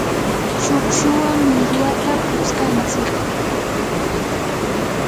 shukshuwan millwata putskantsik.